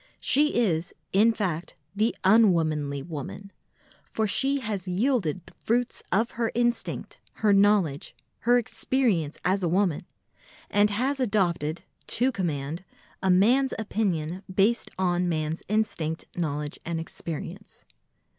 She is, in fact, the _un_womanly woman, for she has yielded the fruits of her instinct, her knowledge, her experience as a woman, and has adopted, to command, a man's opinion based on man's instinct, knowledge and experience.